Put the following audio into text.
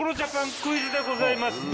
クイズでございます。